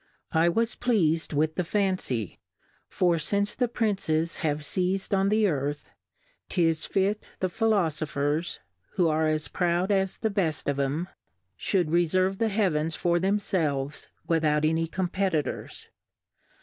I was pleas'd with the Fancy ; for fince the Princes have feiz'd on the Earth ; 'tis fit the Philofophers (who are as proud as the beft of 'em) fhould referve the Heavens for themfelves without any Competitors.